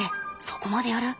そこまでやる？